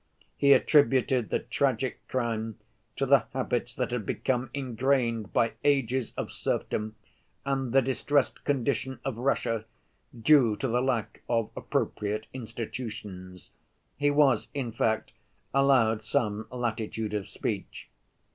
He attributed the tragic crime to the habits that had become ingrained by ages of serfdom and the distressed condition of Russia, due to the lack of appropriate institutions. He was, in fact, allowed some latitude of speech.